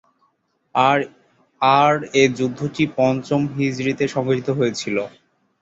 আর এ যুদ্ধটি পঞ্চম হিজরীতে সংঘটিত হয়েছিল।